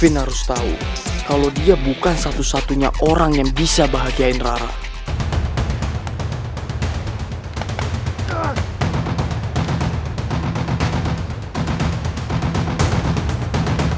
ini waktu yang tepat buat gue nyalahkain michelle